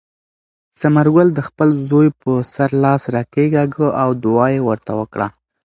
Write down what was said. ثمرګل د خپل زوی په سر لاس کېکاږه او دعا یې ورته وکړه.